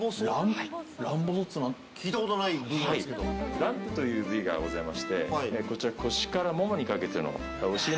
ランプという部位がございましてこちら腰からももにかけての。